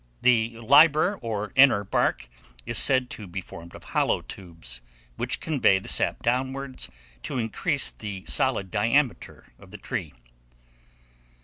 The liber, or inner bark, is said to be formed of hollow tubes, which convey the sap downwards to increase the solid diameter of the tree.